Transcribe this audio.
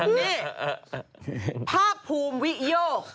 นี่ภาคภูมิวิโย